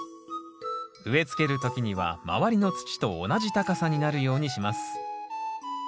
植え付ける時には周りの土と同じ高さになるようにします